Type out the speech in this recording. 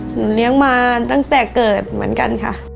หนูเลี้ยงมาตั้งแต่เกิดเหมือนกันค่ะ